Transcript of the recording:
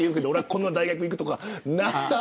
この大学に行くとかなった。